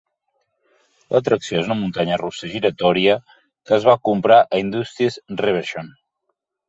L'atracció és una muntanya russa giratòria que es va comprar a Indústries Reverchon.